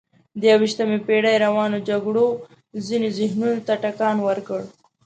د یویشتمې پېړۍ روانو جګړو ځینو ذهنونو ته ټکان ورکړ.